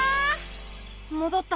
もどった！